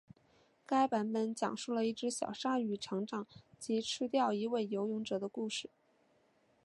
该版本讲述了一只小鲨鱼成长及吃掉一位游泳者的故事。